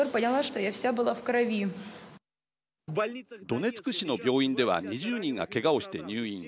ドネツク市の病院では２０人がけがをして入院。